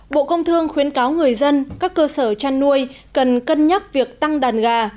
bộ công thương khuyến cáo người dân các cơ sở chăn nuôi cần cân nhắc việc tăng đàn gà